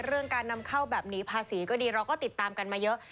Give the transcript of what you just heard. เรื่องการนำเข้าแบบนี้ภาษีก็ดีเราก็ติดตามกันมาเยอะ